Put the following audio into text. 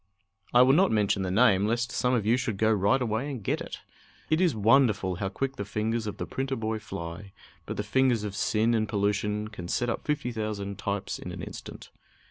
I will not mention the name, lest some of you should go right away and get it. It is wonderful how quick the fingers of the printer boy fly, but the fingers of sin and pollution can set up fifty thousand types in an instant.